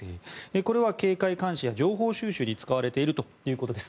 これは警戒監視や情報収集に使われているということです。